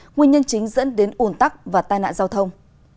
nguyên nhân chính dẫn đến ủn tắc và tai nạn giao thông